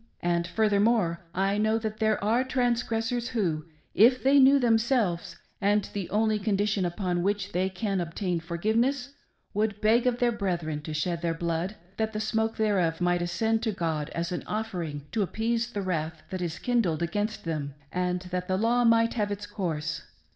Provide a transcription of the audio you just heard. And, furthermore, I know that there are transgressors who, if they knew themselves, and the only condition upon which they can obtain forgiveness, would beg of their brethren to shed their blood, that the smoke thereof might ascend to God as an offering to appease the wrath that is kindled against them, and th'i.t the K;w might have its course.